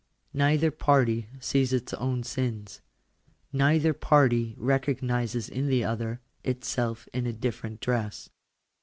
Neither party sees its own sins. Neither party recognises in the other, itself in a different dress.